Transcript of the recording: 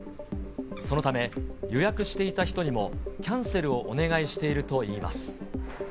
そのため、予約していた人にも、キャンセルをお願いしているといいます。